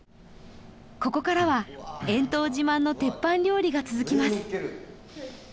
ここからはＥｎｔ自慢の鉄板料理が続きます